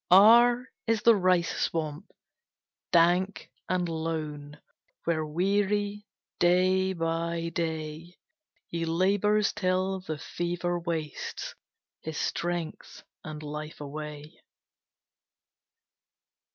R R is the "Rice swamp, dank and lone," Where, weary, day by day, He labors till the fever wastes His strength and life away.